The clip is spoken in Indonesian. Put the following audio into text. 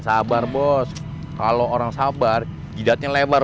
sabar bos kalau orang sabar jidatnya lebar